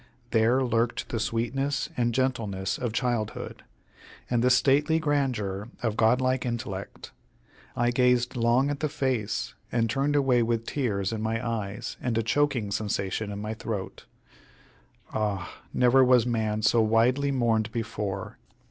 There lurked the sweetness and gentleness of childhood, and the stately grandeur of godlike intellect. I gazed long at the face, and turned away with tears in my eyes and a choking sensation in my throat. Ah! never was man so widely mourned before.